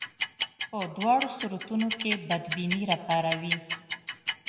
په دواړو صورتونو کې بدبیني راپاروي.